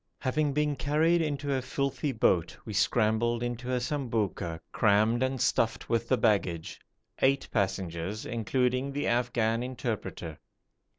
Having been carried into a filthy boat, we scrambled into a sambouka crammed and stuffed with the baggage eight passengers, including the Afghan interpreter.